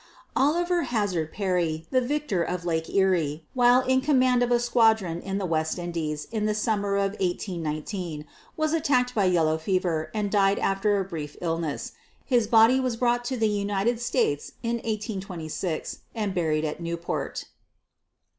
Oliver Hazard Perry, the victor of Lake Erie, while in command of a squadron in the West Indies, in the summer of 1819, was attacked by yellow fever, and died after a brief illness. His body was brought to the United States in 1826 and buried at Newport.